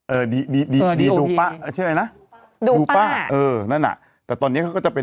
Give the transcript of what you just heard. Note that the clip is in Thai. เออดีดีดูป้าชื่ออะไรนะดูป้าเออนั่นอ่ะแต่ตอนนี้เขาก็จะไป